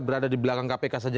berada di belakang kpk saja